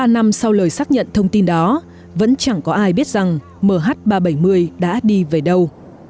ba năm sau lời xác nhận thông tin đó vẫn chẳng có ai biết rằng mh ba trăm bảy mươi đã đi về đâu